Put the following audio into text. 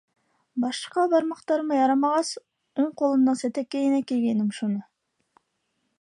Башҡа бармаҡтарыма ярамағас, уң ҡулымдың сәтәкәйенә кейгәйнем шуны...